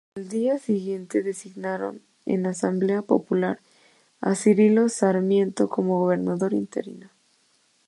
Al día siguiente designaron en asamblea popular a Cirilo Sarmiento como gobernador interino.